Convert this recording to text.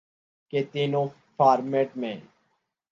کہ تینوں فارمیٹ میں